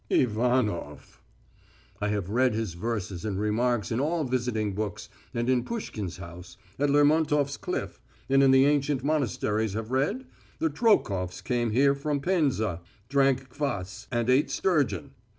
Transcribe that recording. "Ivanof." I have read his verses and remarks in all visiting books, and in Puskhin's house, at Lermontof's Cliff, and in the ancient monasteries have read: "The Troakofs came here from Penza, drank kvas and ate sturgeon.